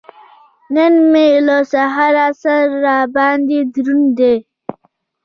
نن مې له سهاره سر را باندې دروند دی.